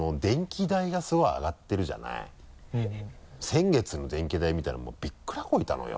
先月の電気代見たらもうびっくらこいたのよ。